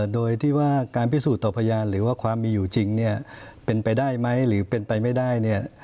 โดยที่ว่าการพิสูจน์ต่อพยานหรือว่าความมีอยู่จริงเป็นไปได้ไหมหรือเป็นไปไม่ได้